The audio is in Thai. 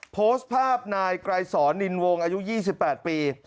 โพสต์ภาพนายไกรสอนนินวงอายุ๒๘ปี